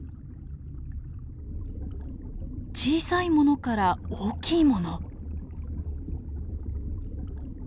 小さいものから大きいもの。